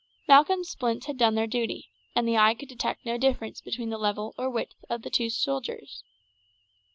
Malcolm's splints had done their duty, and the eye could detect no difference between the level or width of the two shoulders.